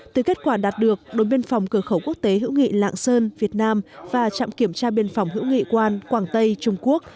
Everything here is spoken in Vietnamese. từ kết quả đạt được đồn biên phòng cửa khẩu quốc tế hữu nghị lạng sơn việt nam và trạm kiểm tra biên phòng hữu nghị quan quảng tây trung quốc